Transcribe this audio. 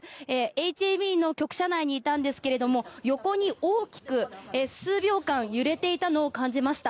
ＨＡＢの局社内にいたんですが横に大きく数秒間揺れていたのを感じました。